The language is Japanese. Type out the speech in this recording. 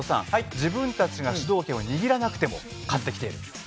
自分たちが主導権を握らなくても勝ってきているんです。